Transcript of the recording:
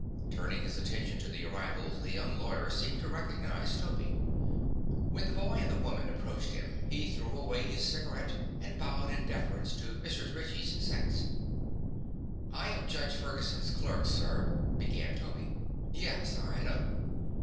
Turning his attention to the arrivals the young lawyer seemed to recognize Toby. When the boy and the woman approached him he threw away his cigarette and bowed in deference to Mrs. Ritchie's sex. "I am Judge Ferguson's clerk, sir," began Toby. "Yes; I know."